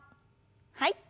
はい。